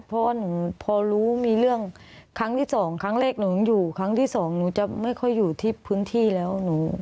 เพราะว่าหนูพอรู้มีเรื่องครั้งที่สองครั้งแรกหนูอยู่ครั้งที่สองหนูจะไม่ค่อยอยู่ที่พื้นที่แล้ว